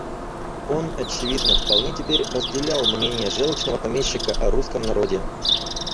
Он, очевидно, вполне теперь разделял мнение желчного помещика о русском народе.